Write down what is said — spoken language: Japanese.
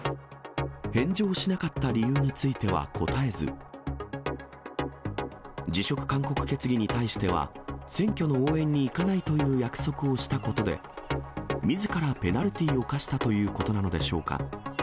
返上しなかった理由については答えず、辞職勧告決議に対しては、選挙の応援に行かないという約束をしたことで、みずからペナルティーを課したということなのでしょうか。